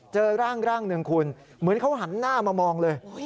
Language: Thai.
เจอร่างหนึ่งคุณเหมือนเขาหันหน้ามามองเลย